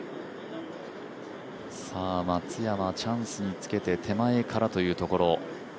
松山、チャンスにつけて手前からというところ。